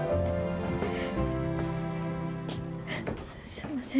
すんません